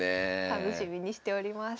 楽しみにしております。